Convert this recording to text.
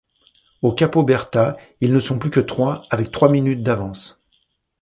Au Capo Berta, ils ne sont plus que trois, avec trois minutes d'avance.